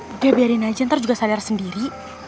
udah biarin aja ntar juga saler sendiri